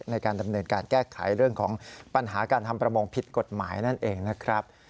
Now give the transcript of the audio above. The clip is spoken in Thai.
ในการดำเนินการแก้ไขเรื่องของปัญหาการทำประมงผิดกฎหมายนั่นเองนะครับ